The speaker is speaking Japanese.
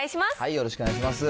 よろしくお願いします。